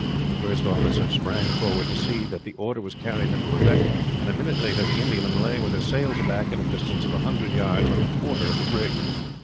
The first officer sprang forward, to see that the order was carried into effect, and a minute later the Indiaman lay, with her sails aback, at a distance of a hundred yards, on the quarter of the brig.